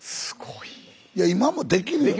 いや今もできるよ。